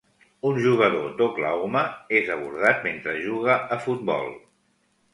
Un jugador d'Oklahoma és abordat mentre juga a futbol.